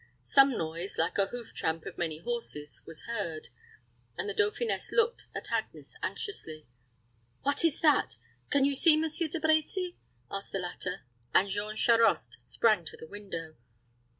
Some noise, like the hoof tramp of many horses, was heard, and the dauphiness looked at Agnes anxiously. "What is that? Can you see, Monsieur De Brecy?" asked the latter; and Jean Charost sprang to the window.